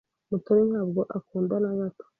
Mutoni ntabwo akunda na gato.